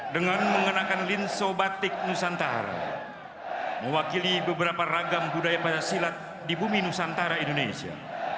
dengan mengenakan linso batik nusantara mewakili beberapa ragam budaya pancasila di bumi nusantara indonesia